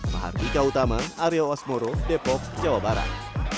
mahat mika utama ariel wasmoro depok jawa barat